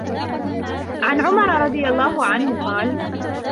عن عُمرَ رَضِي اللهُ عَنْهُ قالَ: